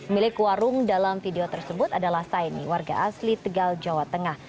milik warung dalam video tersebut adalah saini warga asli tegal jawa tengah